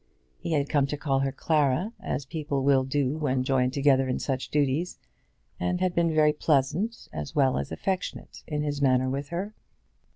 He had come to call her Clara, as people will do when joined together in such duties, and had been very pleasant as well as affectionate in his manner with her.